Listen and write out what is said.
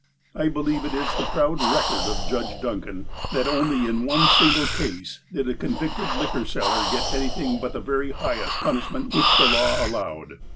I believe it is the proud record of Judge Duncan, that only in one single case did a convicted liquor seller get anything but the very highest punishment which the law allowed.